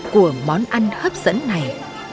của món ăn hấp dẫn này